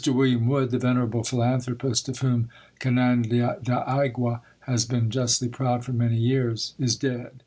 William Wood, the venerable philanthropist of whom Canandaigua has been justly proud for many years, is dead.